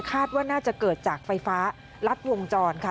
คาดว่าน่าจะเกิดจากไฟฟ้ารัดวงจรค่ะ